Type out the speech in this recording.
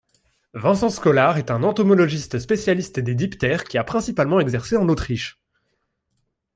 Vincenz Kollar est un entomologiste spécialiste des diptères qui a principalement exercé en Autriche.